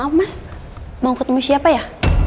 mas mau ketemu siapa ya